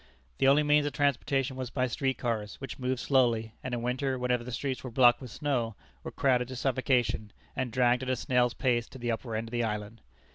The only means of transportation was by street cars, which moved slowly, and in winter, whenever the streets were blocked with snow, were crowded to suffocation, and dragged at a snail's pace to the upper end of the island.